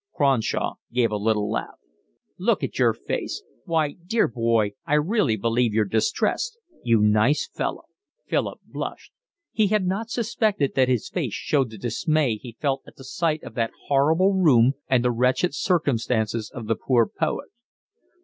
Cronshaw gave a little laugh. "Look at your face. Why, dear boy, I really believe you're distressed. You nice fellow." Philip blushed. He had not suspected that his face showed the dismay he felt at the sight of that horrible room and the wretched circumstances of the poor poet.